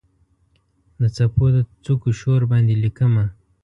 د څپو د څوکو شور باندې لیکمه